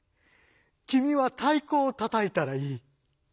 きみは太鼓をたたいたらいい」。